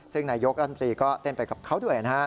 ซึ่งนายยกอันตรีก็เต้นไปกับเขาด้วย